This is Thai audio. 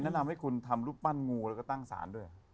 แนะนำให้คุณทำรูปปั้นงูแล้วก็ตั้งสารด้วย